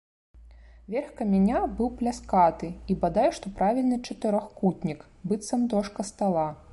Верх каменя быў пляскаты і бадай што правільны чатырохкутнік, быццам дошка стала.